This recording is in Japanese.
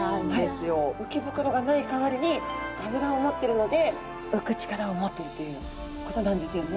鰾がない代わりに脂を持ってるので浮く力を持っているということなんですよね。